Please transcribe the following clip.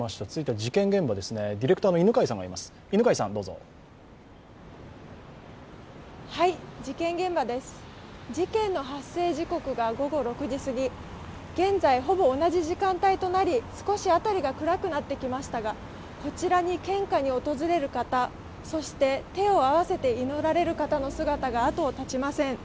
事件の発生時刻が午後６時すぎ、現在、ほぼ同じ時間帯となり、少し辺りが暗くなってきましたが、こちらに献花に訪れる方、そして手を合わせて祈られる方の姿があとを絶ちません。